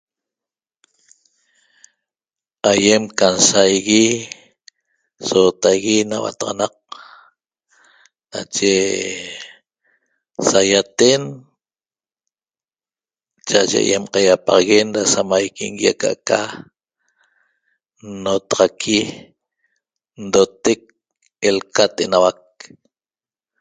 Aýem can saigui sootaigui na huataxanaq nache saýaten cha'aye aýem qaiapaxaguen da samaiquingui aca'aca nnotaxaqui ndotec lcat enauac